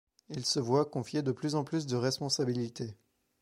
Il se voit confier de plus en plus de responsabilités.